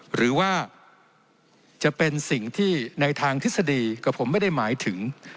หรือว่าจะเป็นสิ่งที่ในทางทฤษฎีกับผมไม่ได้หมายถึง